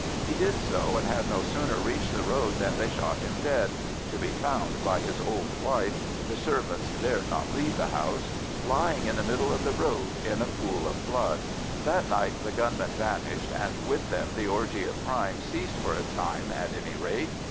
He did so, and had no sooner reached the road than they shot him dead,—to be found by his old wife—the servants dared not leave the house—lying in the middle of the road in a pool of blood. That night the gunmen vanished, and with them the orgy of crime ceased for a time at any rate.